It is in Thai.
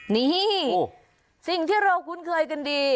นี่สิ่งที่เราคุ้นเคยกันดี